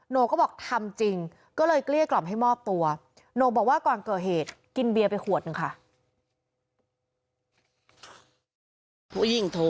หนูก็บอกทำจริงก็เลยเกลี้ยกล่อมให้มอบตัวโหนกบอกว่าก่อนเกิดเหตุกินเบียร์ไปขวดหนึ่งค่ะ